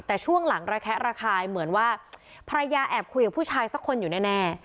แต่ช่วงหลังระแคะระคายเหมือนว่าภรรยาแอบคุยกับผู้ชายสักคนอยู่แน่